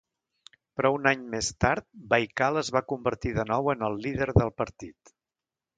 Però un any més tard, Baykal es va convertir de nou en el líder del partit.